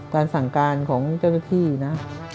การสั่งการของเจ้าหน้าที่นะ